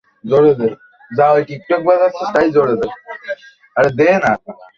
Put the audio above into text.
আর লিখিতে ইচ্ছা হয় না–লেখাও কঠিন।